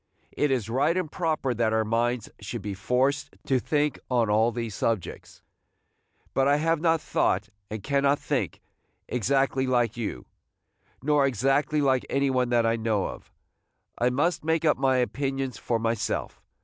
It is right and proper that our minds should be forced to think on all these subjects; but I have not thought, and cannot think, exactly like you, nor exactly like any one that I know of. I must make up my opinions for myself.